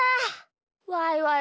ワイワイ！